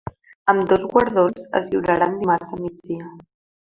Ambdós guardons es lliuraran dimarts a migdia.